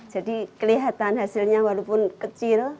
jadi kelihatan hasilnya walaupun kecil